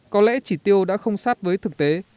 có lẽ chỉ tiêu đã không sát với thực tế